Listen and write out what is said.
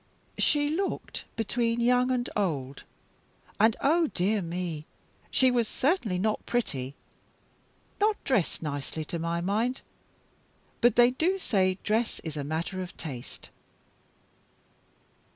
"She looked between young and old. And, oh dear me, she was certainly not pretty. Not dressed nicely, to my mind; but they do say dress is a matter of taste."